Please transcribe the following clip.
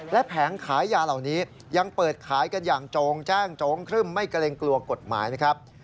และแผงขายยาเหล่านี้ยังเปิดขายกันอย่างโจงแจ้งโจ๊งครึ่มไม่เกรงกลัวกฎหมายนะครับ